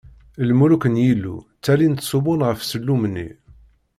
Lmuluk n Yillu ttalin ttṣubbun ɣef sellum-nni.